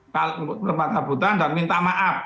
surat pencabutan dan minta maaf